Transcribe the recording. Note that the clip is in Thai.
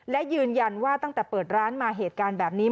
และยืนยันว่าตั้งแต่เปิดร้านมาเหตุการณ์แบบนี้